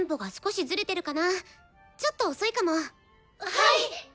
はい！